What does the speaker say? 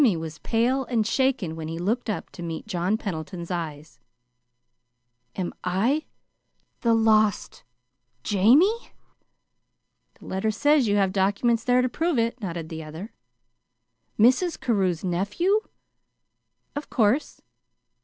Jimmy was pale and shaken when he looked up to meet John Pendleton's eyes. "Am I the lost Jamie?" he faltered. "That letter says you have documents there to prove it," nodded the other. "Mrs. Carew's nephew?" "Of course."